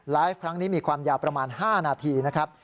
ครั้งนี้มีความยาวประมาณ๕นาทีนะครับ